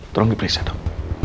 tolong diperiksa tung